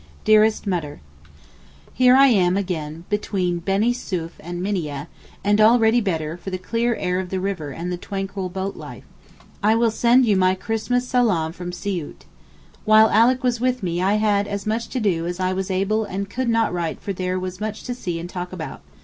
DEAREST MUTTER, Here I am again between Benisouef and Minieh, and already better for the clear air of the river and the tranquil boat life; I will send you my Christmas Salaam from Siout. While Alick was with me I had as much to do as I was able and could not write for there was much to see and talk about.